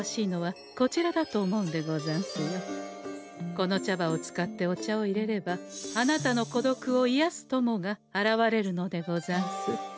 この茶葉を使ってお茶をいれればあなたのこどくをいやす友が現れるのでござんす。